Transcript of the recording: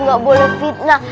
gak boleh fitnah